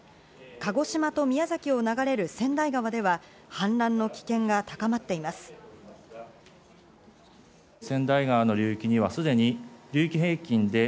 鹿児島と宮崎を流れる川内川では氾濫の危険が高まっているということです。